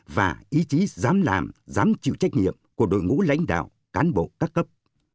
và ý chí dám làm dám chịu trách nhiệm của đội ngũ lãnh đạo cán bộ các cấp